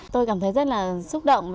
tôi cảm thấy rất là xúc động